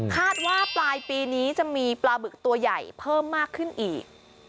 คาดว่าปลายปีนี้จะมีปลาบึกตัวใหญ่เพิ่มมากขึ้นอีก